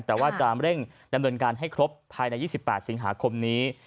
แต่ว่าจะเร่งดำเนินการให้ครบภายใน๒๘สิงหาคมนี้